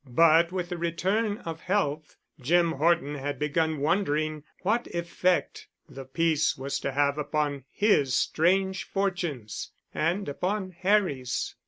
But with the return of health, Jim Horton had begun wondering what effect the peace was to have upon his strange fortunes—and upon Harry's.